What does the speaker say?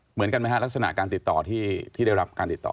เหมือนกันไหมฮะลักษณะการติดต่อที่ได้รับการติดต่อ